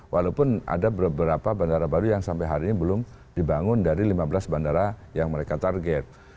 walaupun ada beberapa bandara baru yang sampai hari ini belum dibangun dari lima belas bandara yang mereka target